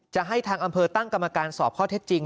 จะให้ทางอำเภอตั้งกรรมการสอบข้อเท็จจริง